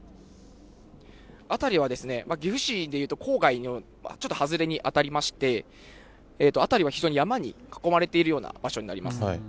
辺りは岐阜市で言うと郊外のちょっと外れに当たりまして、辺りは非常に山に囲まれているような場所になります。